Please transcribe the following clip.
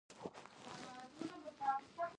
• د شپیلو وهلو ږغ خلک متوجه کوي.